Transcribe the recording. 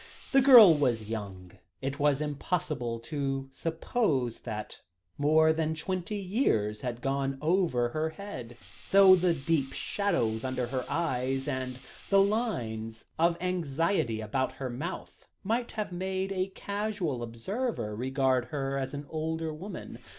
The girl was young; it was impossible to suppose that more than twenty years had gone over her head, though the deep shadows under her eyes, and the lines of anxiety, about her mouth, might have made a casual observer regard her as an older woman.